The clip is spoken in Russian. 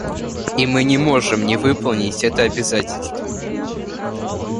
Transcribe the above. И мы не можем не выполнить это обязательство.